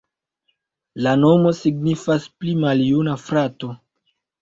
La nomo signifas: pli maljuna frato.